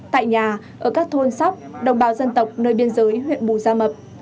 tại nhà ở các thôn sắp đồng bào dân tộc nơi biên giới huyện bù ra mập